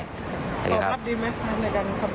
ขอบรับดีไหมครับอันนี้กันครับ